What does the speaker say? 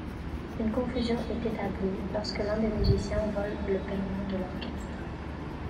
Une confusion est établie lorsque l'un des musiciens vole le paiement de l'orchestre.